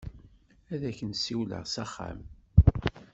Ad ak-n-siwleɣ s axxam.